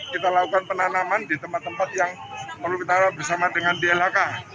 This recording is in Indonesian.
kita lakukan penanaman di tempat tempat yang perlu kita bersama dengan dlhk